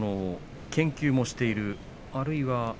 研究もしているあるいは。